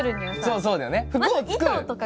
そうそうだよね。